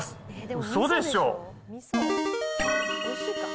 うそでしょ。